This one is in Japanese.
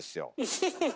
フフフッ。